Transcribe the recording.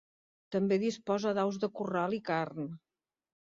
També disposa d'aus de corral i carn.